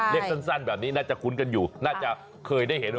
เรียกสั้นแบบนี้น่าจะคุ้นกันอยู่น่าจะเคยได้เห็น